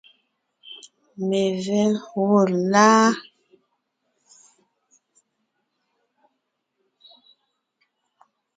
Mevɛ́ gwɔ́ láa?